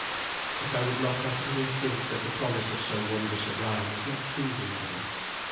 But I would not have any think that the promise of so wondrous a bride was not pleasing to him.